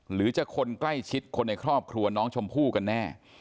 หรือจะคนใกล้ชิดคนในครอบครัวน้องชมพู่กันแน่